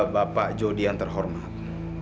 bapak jody yang terhormat